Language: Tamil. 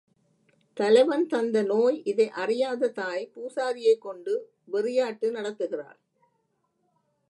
தலைவன் தந்த நோய் இதை அறியாத தாய் பூசாரியைக் கொண்டு வெறியாட்டு நடத்துகிறாள்.